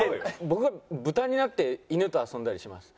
僕が豚になって犬と遊んだりします。